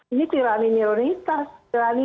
ini tirani minoritas tirani